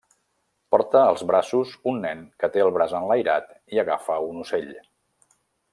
Porta als braços un nen que té el braç enlairat i agafa un ocell.